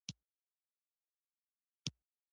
کليوال په اندېښنه کې ول.